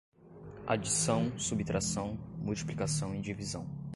Adição, subtração, multiplicação e divisão